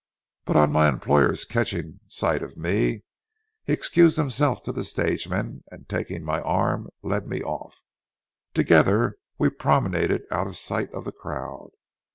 But on my employer's catching sight of me, he excused himself to the stage men, and taking my arm led me off. Together we promenaded out of sight of the crowd.